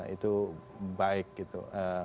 itu baik gitu